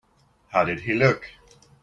How did he look?